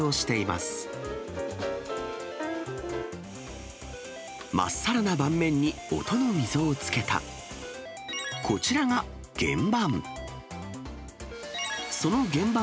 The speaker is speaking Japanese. まっさらな盤面に音の溝をつけた、こちらが原盤。